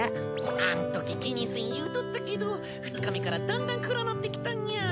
あんとき気にせん言っとったけど２日目からだんだん暗なってきたニャ。